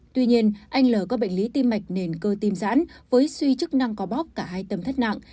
tuy nhiên anh l có bệnh lý tim mạch nền cơ tim giãn với suy chức năng có bóp cả hai tâm thất nặng